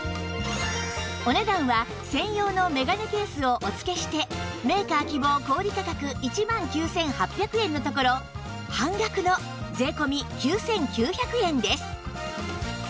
お値段は専用の眼鏡ケースをお付けしてメーカー希望小売価格１万９８００円のところ半額の税込９９００円です